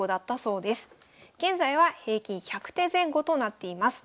現在は平均１００手前後となっています。